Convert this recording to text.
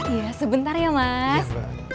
iya sebentar ya mas